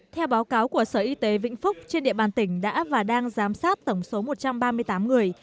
theo báo cáo của sở y tế vĩnh phúc trên địa bàn tỉnh đã và đang giám sát tổng số một trăm ba mươi tám người